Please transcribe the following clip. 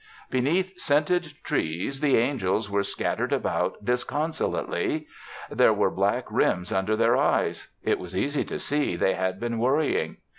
Beneath scented trees the angels were scattered about disconsolately. There were black rims under their eyes; it was easy to see they had been worrying.